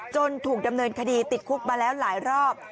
ถูกดำเนินคดีติดคุกมาแล้วหลายรอบ